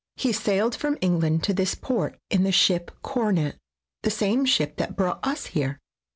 He sailed from England to this port in the ship Coronet, the same ship that brought us here.